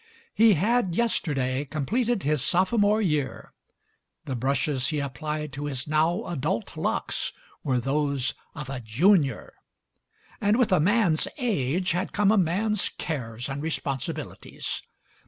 He had yester day completed his sophomore year; the brushes he applied to his now adult locks were those of a junior. And with a man's age had come a man's cares and responsibilities.